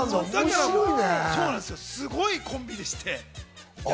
すごいコンビです。